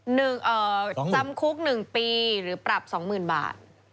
หนึ่งเอ่อจำคุกหนึ่งปีหรือปรับสองหมื่นบาท